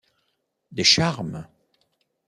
Des charmes!